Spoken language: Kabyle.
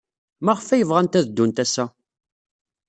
Maɣef ay bɣant ad ddunt ass-a?